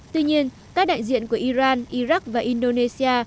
tuy nhiên các đại diện của iran iraq và indonesia